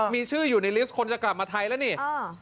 มีชื่ออยู่ในลิสต์คนจะกลับมาไทยแล้วนี่